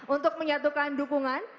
untuk menyatukan dukungan